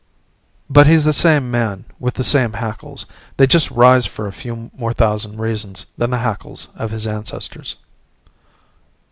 But he's the same man with the same hackles; they just rise for a few more thousand reasons than the hackles of his ancestors.